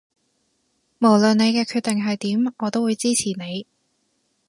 無論你嘅決定係點我都會支持你